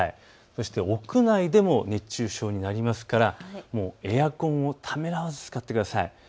そして屋内でも熱中症になりますから、エアコンをためらわず使ってください。